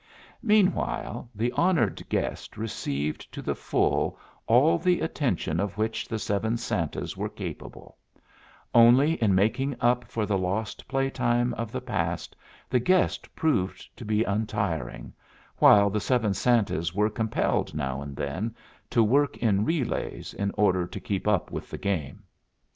Meanwhile, the honored guest received to the full all the attention of which the Seven Santas were capable; only in making up for the lost playtime of the past the guest proved to be untiring, while the Seven Santas were compelled now and then to work in relays in order to keep up with the game.